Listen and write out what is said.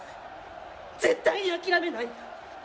絶対に諦めない。